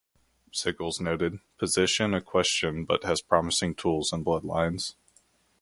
Sickels noted, Position a question but has promising tools and bloodlines.